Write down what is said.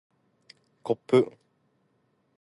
こっぷ